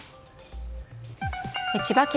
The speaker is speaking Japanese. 千葉県